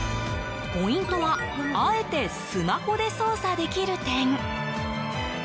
ポイントはあえてスマホで操作できる点。